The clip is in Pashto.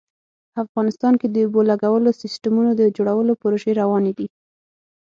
افغانستان کې د اوبو لګولو سیسټمونو د جوړولو پروژې روانې دي